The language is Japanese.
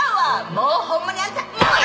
もうホンマにあんたもう！